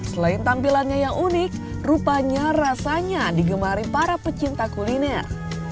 selain tampilannya yang unik rupanya rasanya digemari para pecinta kuliner